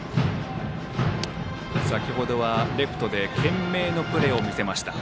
先程はレフトで懸命のプレーを見せました。